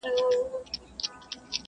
چي مو د پېغلو سره سم ګودر په کاڼو ولي!!